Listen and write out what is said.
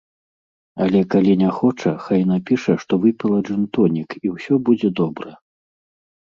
Але, калі не хоча, хай напіша, што выпіла джын-тонік, і ўсё будзе добра.